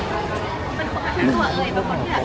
คือตัวนี้ไม่ค่อย